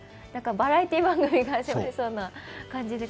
バラエティー番組が始まりそうな感じで。